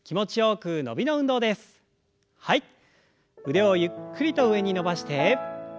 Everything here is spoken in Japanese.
腕をゆっくりと上に伸ばして。